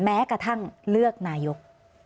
แม้กระทั่งเลือกนายก